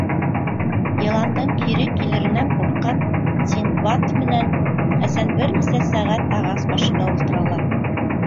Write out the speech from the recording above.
Йыландың кире килеренән ҡурҡҡан Синдбад менән Хәсән бер нисә сәғәт ағас башында ултыралар.